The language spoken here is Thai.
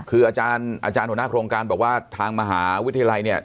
คืออาจารย์หัวหน้าโครงการบอกว่าทางมหาวิทยาลัยเนี่ย